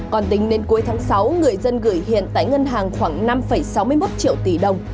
còn tính đến cuối tháng sáu người dân gửi hiện tại ngân hàng khoảng năm sáu mươi một triệu tỷ đồng